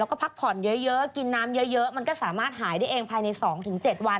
แล้วก็พักผ่อนเยอะกินน้ำเยอะมันก็สามารถหายได้เองภายใน๒๗วัน